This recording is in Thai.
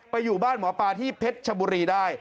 อยู่บ้านหมอปลาที่เพชรชบุรีได้